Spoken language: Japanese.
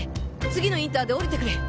次のインターで降りてくれ。